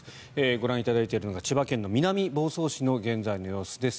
ご覧いただいているのが千葉県南房総市の様子です。